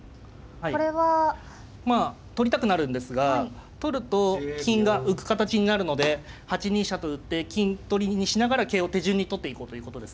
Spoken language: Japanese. まあ取りたくなるんですが取ると金が浮く形になるので８二飛車と打って金取りにしながら桂を手順に取っていこうということですね。